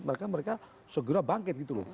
mereka mereka segera bangkit gitu loh